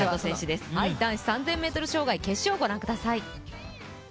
男子３０００ｍ障害決勝をご覧ください。